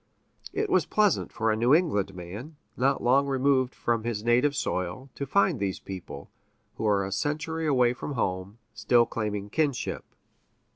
It was pleasant for a New England man, not long removed from his native soil, to find these people, who are a century away from home, still claiming kinship.